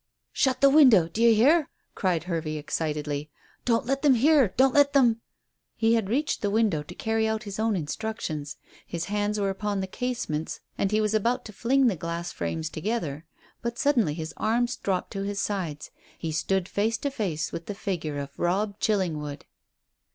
"Shut the window. Do you hear?" cried Hervey excitedly. "Don't let them hear. Don't let them " He had reached the window to carry out his own instructions. His hands were upon the casements, and he was about to fling the glass frames together. But suddenly his arms dropped to his sides. He stood face to face with the figure of Robb Chillingwood!